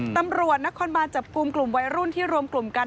ตำรวจนครบานจับกลุ่มกลุ่มวัยรุ่นที่รวมกลุ่มกัน